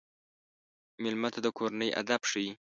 مېلمه ته د کورنۍ ادب ښيي.